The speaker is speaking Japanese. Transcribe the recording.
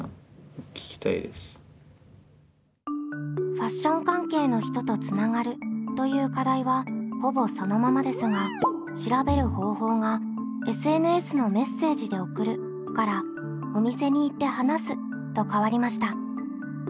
「ファッション関係の人とつながる」という課題はほぼそのままですが調べる方法が「ＳＮＳのメッセージで送る」から「お店に行って話す」と変わりました。